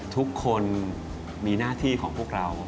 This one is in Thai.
ทุกคนมีหน้าที่ของพวกเรา